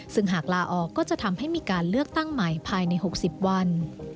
ซึ่งหากลาออกก็จะทำให้มีการเลือกตั้งใหม่ภายใน๖๐วัน